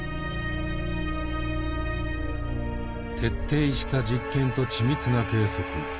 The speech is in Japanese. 徹底した実験と緻密な計測。